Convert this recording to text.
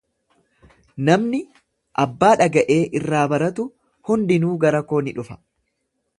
Namni abbaa dhaga’ee irraa baratu hundinuu gara koo ni dhufa.